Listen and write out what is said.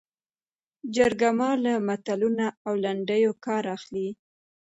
جرګه مار له متلونو او لنډیو کار اخلي